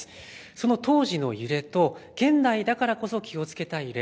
その当時の揺れと現代だからこそ気をつけたい揺れ。